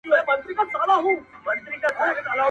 څه له حُسنه څه له نازه څه له میني یې تراشلې،